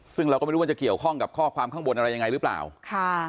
ซึ่งเราก็ไม่รู้ว่าจะเกี่ยวข้องกับข้อความข้างบนอะไรยังไงหรือเปล่าค่ะ